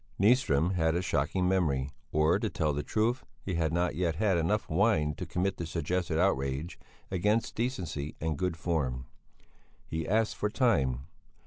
Nyström had a shocking memory, or, to tell the truth, he had not yet had enough wine to commit the suggested outrage against decency and good form; he asked for time.